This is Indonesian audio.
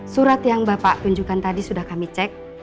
surat yang bapak tunjukkan tadi sudah kami cek